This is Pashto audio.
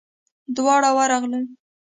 دواړه ورغلو.